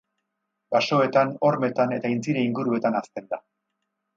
Basoetan, hormetan eta aintzira inguruetan hazten da.